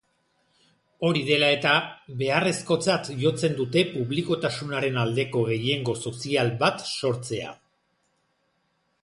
Hori dela eta, beharrezkotzat jotzen dute publikotasunaren aldeko gehiengo sozial bat sortzea.